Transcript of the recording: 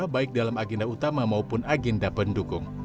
baik dalam agenda utama maupun agenda pendukung